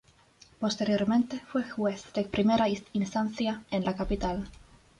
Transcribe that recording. Posteriormente fue juez de primera instancia en la capital.